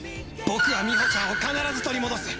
僕はみほちゃんを必ず取り戻す！